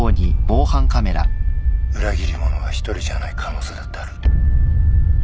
裏切り者は一人じゃない可能性だってある。